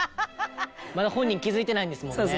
まだ本人気づいてないんですもんね。